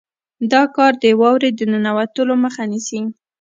دا کار د واورې د ننوتلو مخه نیسي